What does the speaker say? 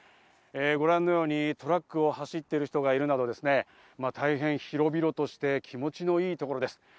ご覧のようにトラックを走っている人がいる中で、大変広々として気持ちのいいところです。